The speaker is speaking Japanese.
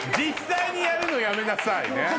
実際にやるのやめなさいね。